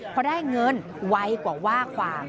พอได้เงินไวกว่าว่าความ